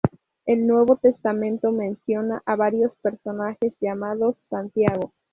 El Nuevo Testamento menciona a varios personajes llamados Santiago.